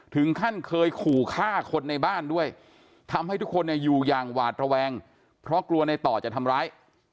ถึงขั้นเคยขู่ฆ่าคนในบ้านด้วยทำให้ทุกคนเนี่ยอยู่อย่างหวาดระแวงเพราะกลัวในต่อจะทำร้าย